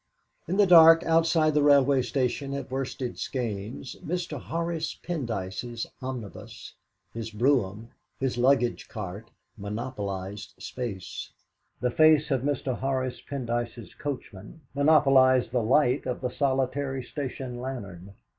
In the dark outside the railway station at Worsted Skeynes Mr. Horace Pendyce's omnibus, his brougham, his luggage cart, monopolised space. The face of Mr. Horace Pendyce's coachman monopolised the light of the solitary station lantern.